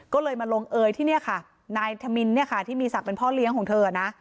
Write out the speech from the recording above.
ก็เลยมาลงเอยที่นี่ค่ะนายธมินเนี่ยค่ะที่มีศักดิ์เป็นพ่อเลี้ยงของเธอนะ